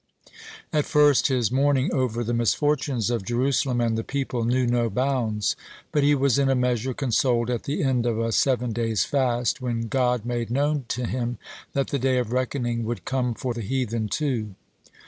At first his mourning over the misfortunes of Jerusalem and the people knew no bounds. But he was in a measure consoled at the end of a seven days' fast, when God made known to him that the day of reckoning would come for the heathen, too.